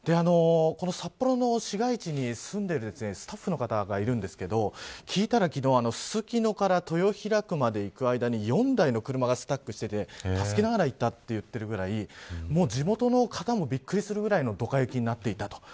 この札幌の市街地に住んでいるスタッフの方がいるんですが聞いたら昨日すすきのから豊平区まで行く間に４台の車がスタックしていて助けながら行ったと言っているぐらい地元の方もびっくりするぐらいのドカ雪になっていた。